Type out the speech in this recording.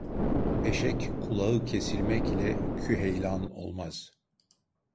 Eşek, kulağı kesilmekle küheylan olmaz.